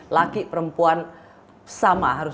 laki perempuan sama harus